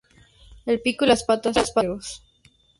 El pico y las patas negros.